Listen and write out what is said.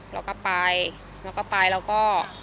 เราก็ไปเราก็ไปเราก็